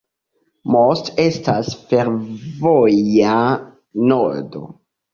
Most estas fervoja nodo.